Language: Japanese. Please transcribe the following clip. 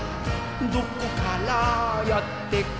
「どこからやってくるの？」